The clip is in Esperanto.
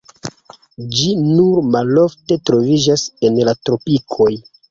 Ĝi nur malofte troviĝas en la tropikoj.